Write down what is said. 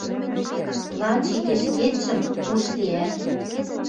Лач ик ӹшкетшӹм уждеӓт.